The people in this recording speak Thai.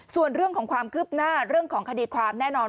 ส่วนเรื่องของความคืบหน้าเรื่องของคดีความแน่นอน